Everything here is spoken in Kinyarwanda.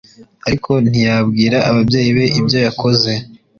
ariko ntiyabwira ababyeyi be ibyo yakoze